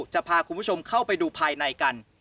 จะพาคุณผู้ชมเข้าไปดูภายในกัน